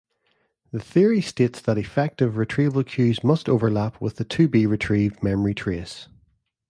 The theory states that effective retrieval cues must overlap with the to-be-retrieved memory trace.